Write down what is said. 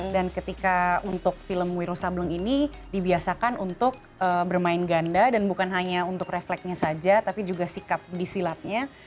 dan ketika untuk film wirosa bleng ini dibiasakan untuk bermain ganda dan bukan hanya untuk refleksnya saja tapi juga sikap di silatnya